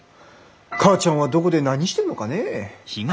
母ちゃんはどこで何してるのかねぇ？